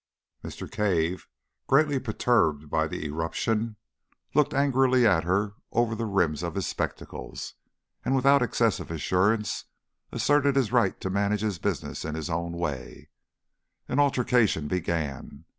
Mr. Cave, greatly perturbed by the irruption, looked angrily at her over the rims of his spectacles, and, without excessive assurance, asserted his right to manage his business in his own way. An altercation began.